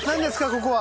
ここは。